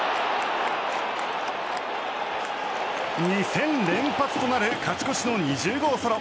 ２戦連発となる勝ち越しの２０号ソロ。